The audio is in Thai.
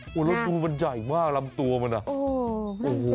โอ้โหแล้วดูมันใหญ่มากลำตัวมันอ่ะโอ้โห